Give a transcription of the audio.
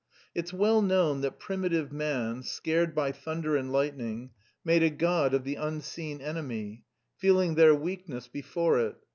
"It's well known that primitive man, scared by thunder and lightning, made a god of the unseen enemy, feeling their weakness before it.